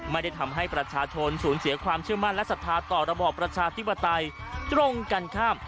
ไม่ได้ทำให้ประชาชนสูญเสียความเชื่อมั่นและศรัทธาต่อระบอบประชาธิปไตยตรงกันข้าม